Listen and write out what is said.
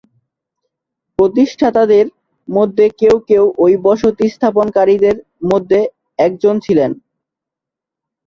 প্রতিষ্ঠাতাদের মধ্যে কেউ কেউ ঐ বসতি স্থাপনকারীদের মধ্যে একজন ছিলেন।